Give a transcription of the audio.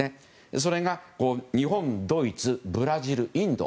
それが日本、ドイツブラジル、インド。